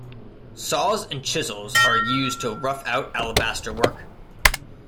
Saws and chisels are used to rough out alabaster work.